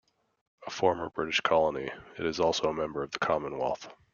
A former British colony, it is also a member of the Commonwealth.